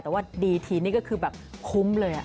แต่ว่าดีทีนี้ก็คือแบบคุ้มเลย